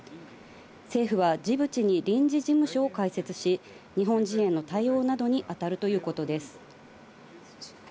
政府はジブチに臨時事務所を開設し、日本人への対応などに当たるということです。